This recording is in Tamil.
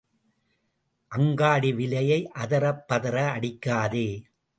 அங்காடி விலையை அதறப் பதற அடிக்காதே.